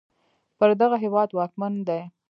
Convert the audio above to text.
پر دغه هېواد واکمن دی